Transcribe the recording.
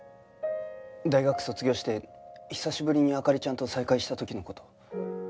大学卒業して久しぶりに灯ちゃんと再会した時の事。